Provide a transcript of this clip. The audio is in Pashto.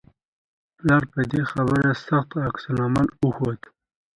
پلار په دې خبرې سخت عکس العمل وښود